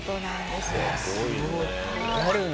すごいね。